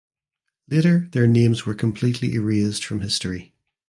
Later their names were completely erased from history.